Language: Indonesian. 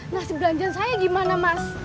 nasi belanja saya gimana mas